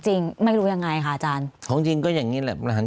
จริงไม่รู้ยังไงค่ะอาจารย์ของจริงก็อย่างนี้แหละ